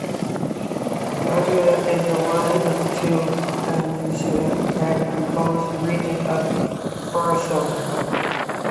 Montalegre is one of the two municipalities that compose the region of Barroso.